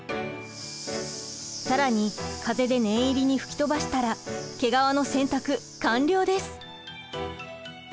更に風で念入りに吹き飛ばしたら毛皮の洗濯完了です。